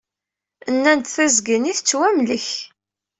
Nna-d tiẓgi-nni tettwamlek.